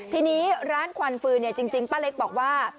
ทีนี้ร้านควันฟืนจริงป้าเล็กบอกว่า